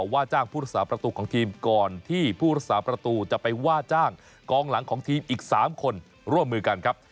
ว่าจ้างผู้รักษาประตูของทีมก่อนที่ผู้รักษาประตูจะไปว่าจ้างกองหลังของทีมอีก๓คนร่วมมือกันครับ